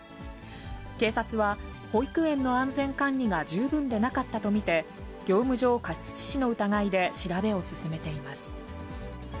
警察は保育園の安全管理が十分でなかったと見て、業務上過失致死の疑いで調べを進めています。